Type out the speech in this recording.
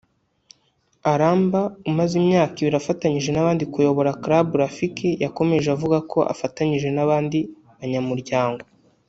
Alamba umaze imyaka ibiri afatanyije n’abandi kuyobora Club Rafiki yakomeje avuga ko afatanyije n’abandi banyamuryango